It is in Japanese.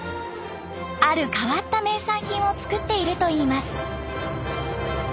ある変わった名産品を作っているといいます。